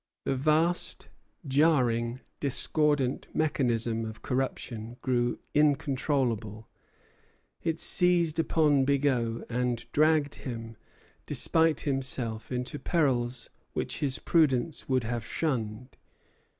The vast jarring, discordant mechanism of corruption grew incontrollable; it seized upon Bigot, and dragged him, despite himself, into perils which his prudence would have shunned.